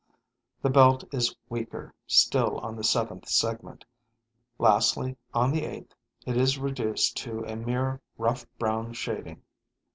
The belt is weaker still on the seventh segment; lastly, on the eighth, it is reduced to a mere rough brown shading.